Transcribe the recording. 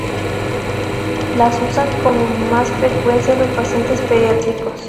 Las usan con más frecuencia los pacientes pediátricos.